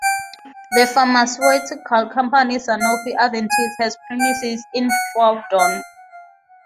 The pharmaceutical company Sanofi-Aventis has premises in Fawdon.